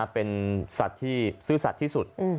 เป็นสัตว์ที่ซื่อสัตว์ที่สุด